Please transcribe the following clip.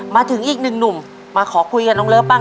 มาถึงอีกหนึ่งหนุ่มมาขอคุยกับน้องเลิฟบ้าง